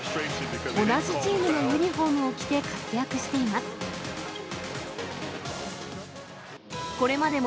同じチームのユニホームを着て活躍しています。